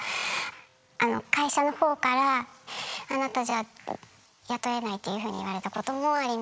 あの会社の方から「あなたじゃ雇えない」っていうふうに言われたこともあります。